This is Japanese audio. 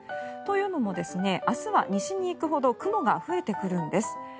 というのも、明日は西に行くほど雲が増えてくるんです。